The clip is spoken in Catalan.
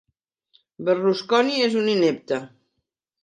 Berlusconi és un inepte.